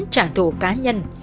trả thù cá nhân